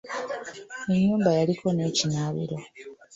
Ennyumba yali eriko n'ekinaabiro.